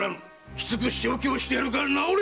きつく仕置きをするから直れ！